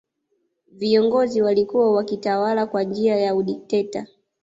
viongozi walikuwa wakitawala kwa njia ya udikteta